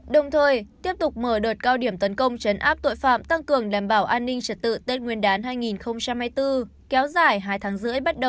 đồng thời tiếp tục mở đợt cao điểm tấn công chấn áp tội phạm tăng cường đảm bảo an ninh trật tự tết nguyên đán hai nghìn hai mươi bốn kéo dài hai tháng rưỡi bắt đầu